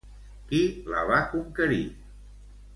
Qui la va conquerir?